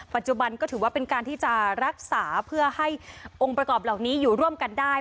ปัจจุบันก็ถือว่าเป็นการที่จะรักษาเพื่อให้องค์ประกอบเหล่านี้อยู่ร่วมกันได้